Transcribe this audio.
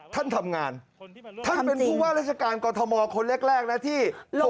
ท่านทำงานท่านเป็นผู้ว่าราชการกรทมคนแรกนะที่